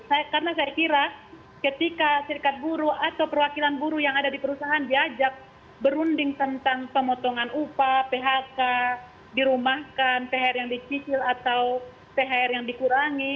karena saya kira ketika serikat buruh atau perwakilan buruh yang ada di perusahaan diajak berunding tentang pemotongan upah phk dirumahkan thr yang dicicil atau thr yang dikurangi